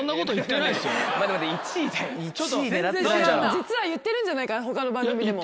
実は言ってるんじゃないかな他の番組でも。